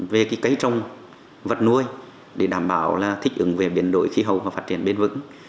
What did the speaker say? về cây trông vật nuôi để đảm bảo thích ứng về biển đổi khí hậu và phát triển biên vững